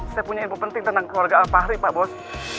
saya punya info penting tentang keluarga alfahri pak bos